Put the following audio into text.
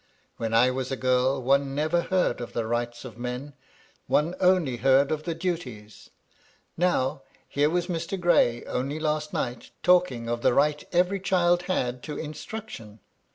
When I was a giri, one never heard of the rights of men, one only heard of the duties. Now, here was Mr. Gray, only last night, talking of the right every child had to instruction.